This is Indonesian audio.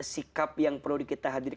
sikap yang perlu kita hadirkan